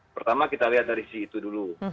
pertama kita lihat dari situ dulu